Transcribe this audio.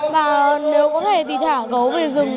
và nếu có thể thì thả gấu về rừng